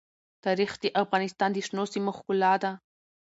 تاریخ د افغانستان د شنو سیمو ښکلا ده.